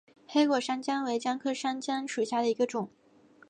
黑果山姜为姜科山姜属下的一个种。